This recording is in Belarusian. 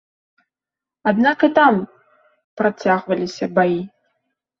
Аднак і там працягваліся баі.